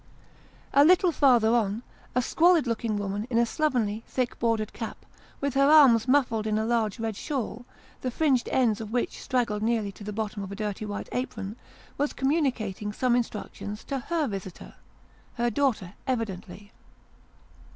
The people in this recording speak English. A little farther on, a squalid looking woman in a slovenly, thick bordered cap, with her arms muffled in a large red shawl, the fringed ends of which straggled nearly to the bottom of a dirty white apron, was communicating some instructions to Jier visitor her daughter evidently.